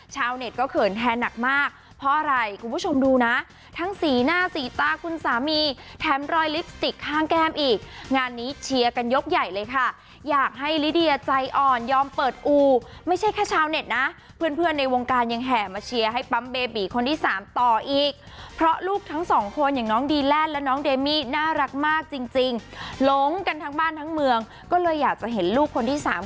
เน็ตก็เขินแทนหนักมากเพราะอะไรคุณผู้ชมดูนะทั้งสีหน้าสีตาคุณสามีแถมรอยลิปสติกข้างแก้มอีกงานนี้เชียร์กันยกใหญ่เลยค่ะอยากให้ลิเดียใจอ่อนยอมเปิดอูไม่ใช่แค่ชาวเน็ตนะเพื่อนเพื่อนในวงการยังแห่มาเชียร์ให้ปั๊มเบบีคนที่สามต่ออีกเพราะลูกทั้งสองคนอย่างน้องดีแลนด์และน้องเดมี่น่ารักมากจริงจริงหลงกันทั้งบ้านทั้งเมืองก็เลยอยากจะเห็นลูกคนที่สาม